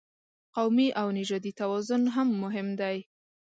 قومي او نژادي توازن هم مهم دی.